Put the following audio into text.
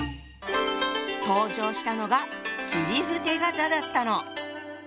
登場したのが切符手形だったの。